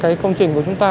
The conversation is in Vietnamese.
cái công trình của chúng ta